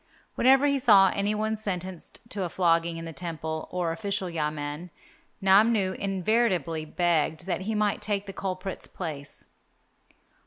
Whenever he saw any one sentenced to a flogging in the temple or official yamen, Namnu invariably begged that he might take the culprit's place.